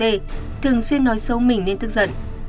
dũng thường xuyên nói xấu mình nên tức giận